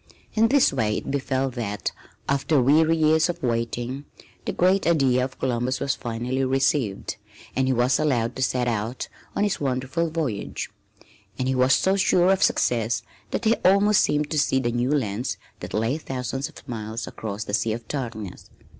In this way it befell that, after weary years of waiting, the great idea of Columbus was finally received, and he was allowed to set out on his wonderful voyage; and he was so sure of success that he almost seemed to see the new lands that lay thousands of miles across the Sea of Darkness.